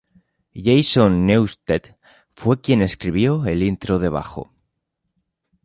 Jason Newsted fue quien escribió el intro de bajo.